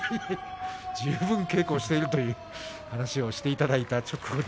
十分、稽古をしているというお話をしていただいた直後に。